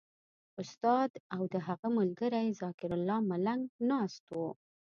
استاد او د هغه ملګری ذکرالله ملنګ ناست وو.